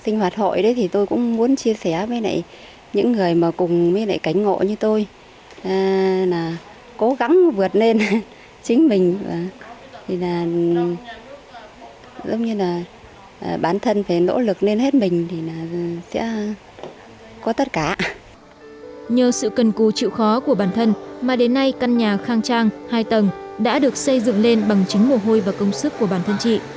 nhờ sự cần cù chịu khó của bản thân mà đến nay căn nhà khang trang hai tầng đã được xây dựng lên bằng chính mồ hôi và công sức của bản thân chị